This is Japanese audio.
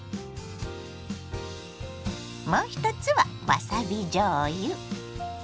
もう一つはわさびじょうゆ。